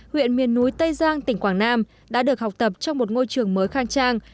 huyện miền núi tây giang tỉnh quảng nam đã được học tập trong một ngôi trường mới khang trang